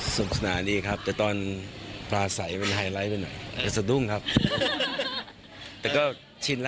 สนุกสนานดีครับแต่ตอนปลาใสมันไฮไลท์ไปหน่อยแต่สะดุ้งครับแต่ก็ชินแล้ว